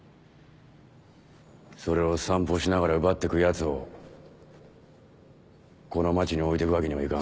それを散歩しながら奪ってくヤツをこの町に置いとくわけにはいかん。